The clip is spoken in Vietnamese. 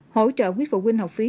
hỗ trợ quý phụ huynh học phí